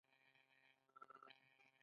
د پیاز ګل د څه لپاره وکاروم؟